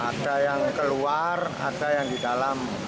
ada yang keluar ada yang di dalam